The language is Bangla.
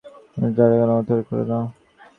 গোরা তাহার কোনো উত্তর করিল না।